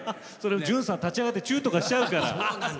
順さん、立ち上がってチューとかしちゃうから！